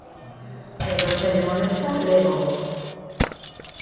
Pero, se lle molesta, lévoo.